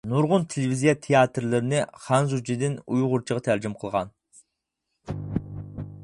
نۇرغۇن تېلېۋىزىيە تىياتىرلىرىنى خەنزۇچىدىن ئۇيغۇرچىغا تەرجىمە قىلغان.